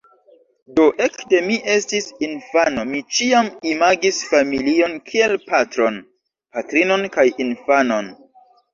Do, ekde mi estis infano, mi ĉiam imagis familion kiel patron, patrinon kaj infanon.